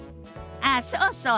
ああそうそう。